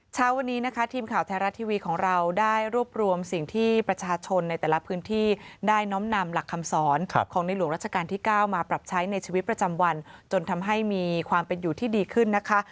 เช้าวันนี้นะคะทีมข่าวไทยรัฐทีวีของเราได้รวบรวมสิ่งที่ประชาชนในแต่ละพื้นที่ได้น้อมนำหลักคำสอนของในหลวงราชการที่๙มาปรับใช้ในชีวิตประจำวันจนทำให้มีความเป็นอยู่ที่ดีขึ้นนะคะ